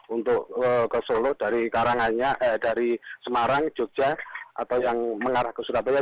untuk ke solo dari semarang jogja atau yang mengarah ke surabaya